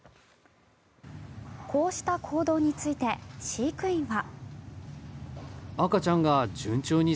こうした行動について飼育員は。